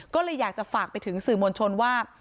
ก็เลยอยากจะฝากไปถึงสื่อมวลชนว่า